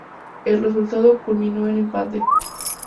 El resultado culminó en empate.